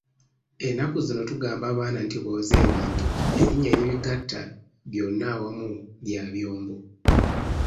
Ennaku zino tugamba abaana nti booze ebintu erinnya, eribigatta byonna awamu lya byombo.